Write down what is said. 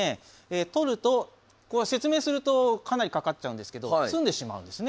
取ると説明するとかなりかかっちゃうんですけど詰んでしまうんですね。